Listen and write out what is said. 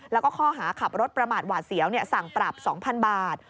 แล้วก็ข้อหาขับรถประมาทหวาดเสียวสั่งปรับ๒๐๐๐บาท